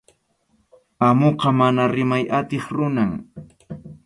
Amuqa mana rimay atiq runam.